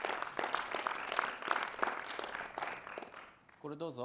これどうぞ。